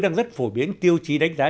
đang rất phổ biến tiêu chí đánh giá